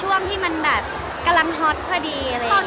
ก็เป็นวัฒนฟะที่มันชอบแบบมันสมัครมากเลยฝ่าในบัตรของเขามีระหว่างหน่อย